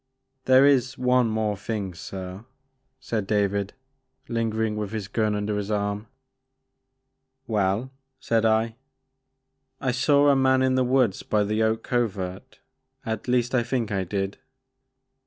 There is one more thing sir,'* said David, lingering with his gun under his arm. Well, saidI. I saw a man in the woods by the Oak Covert, —at least I think I did.